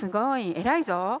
偉いぞ。